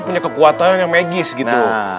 punya kekuatan yang medis gitu